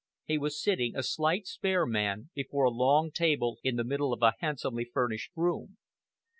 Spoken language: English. He was sitting, a slight, spare man, before a long table in the middle of a handsomely furnished room.